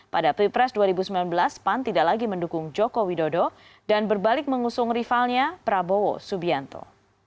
pada pilpres dua ribu sembilan belas pan tidak lagi mendukung joko widodo dan berbalik mengusung rivalnya prabowo subianto